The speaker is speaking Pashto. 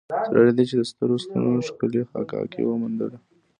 سره له دې یې د سترو ستنو ښکلې حکاکي وموندله.